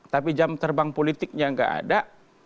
tapi jam terbang politiknya nggak ada